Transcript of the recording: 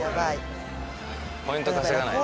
ポイント稼がないと。